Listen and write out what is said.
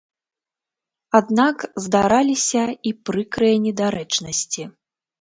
Аднак здараліся і прыкрыя недарэчнасці.